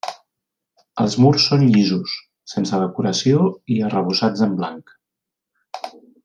Els murs són llisos, sense decoració i arrebossats en blanc.